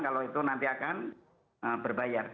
kalau itu nanti akan berbayar